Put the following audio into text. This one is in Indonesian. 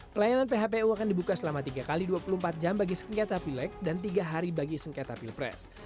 pelayanan phpu akan dibuka selama tiga x dua puluh empat jam bagi sengketa pilek dan tiga hari bagi sengketa pilpres